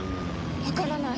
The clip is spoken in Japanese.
わからない。